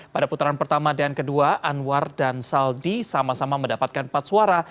pada putaran pertama dan kedua anwar dan saldi sama sama mendapatkan empat suara